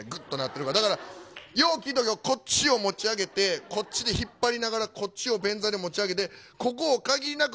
よう聞いとけよ、こっちを持ち上げて、こっちで引っ張りながらこっちを便座で持ち上げて、ここを限りなく